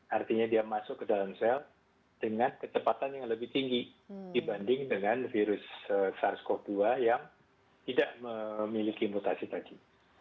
artinya dia masuk ke dalam sel dengan kecepatan yang lebih tinggi dibanding dengan virus sars cov dua yang tidak memiliki mutasi tadi